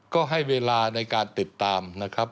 ก็ให้เวลาในการติดตาม